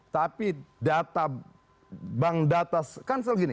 tapi data bank data kan seperti gini